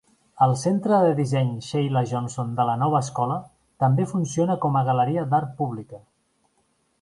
El Centre de disseny Sheila Johnson de la Nova Escola també funciona com a galeria d'art pública.